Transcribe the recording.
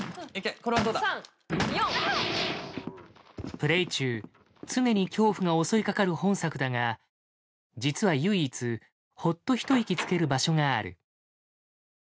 プレイ中常に恐怖が襲いかかる本作だが実は唯一ほっと一息つける場所がある。